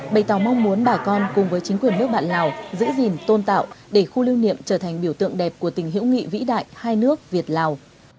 bày tỏ mong muốn bà con cùng với chính quyền nước bạn lào giữ gìn tôn tạo để khu lưu niệm trở thành biểu tượng đẹp của tình hữu nghị vĩ đại hai nước việt lào